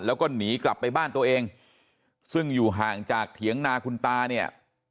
แล้วก็หนีกลับไปบ้านตัวเองซึ่งอยู่ห่างจากเถียงนาคุณตาเนี่ย